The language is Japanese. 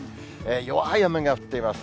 弱い雨が降っています。